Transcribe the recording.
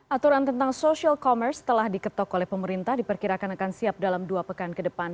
aturan tentang social commerce telah diketok oleh pemerintah diperkirakan akan siap dalam dua pekan ke depan